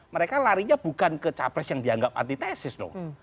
mereka larinya bukan ke capres yang dianggap antitesis dong